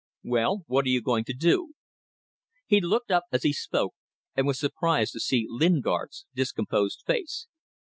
Well, what are you going to do?" He looked up as he spoke and was surprised to see Lingard's discomposed face.